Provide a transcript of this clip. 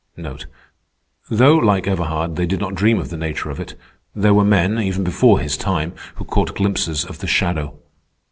Though, like Everhard, they did not dream of the nature of it, there were men, even before his time, who caught glimpses of the shadow.